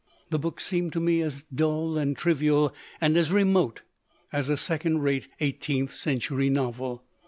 The book seemed to me as dull and trivial and as remote as a second rate eighteenth century novel.